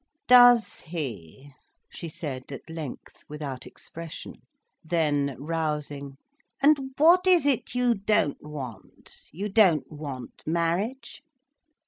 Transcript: "Does he?" she said at length, without expression. Then, rousing, "And what is it you don't want? You don't want marriage?"